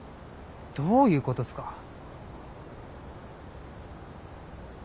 どういうことっすか？